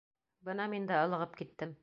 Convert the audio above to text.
Бына мин дә ылығып киттем.